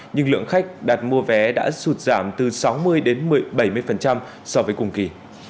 nhưng lượng khách đặt mua vé đã sụt giảm từ sáu mươi đến bảy mươi so với cùng kỳ